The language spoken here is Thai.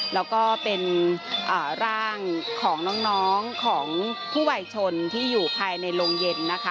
แล้วก็เป็นร่างของน้องของผู้วัยชนที่อยู่ภายในโรงเย็นนะคะ